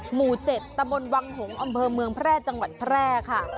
หมู่๗ตะบนวังหงษ์อำเภอเมืองแพร่จังหวัดแพร่ค่ะ